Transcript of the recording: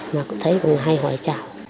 mà cũng thấy cũng hay hỏi chào